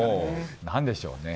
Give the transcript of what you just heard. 何でしょうね。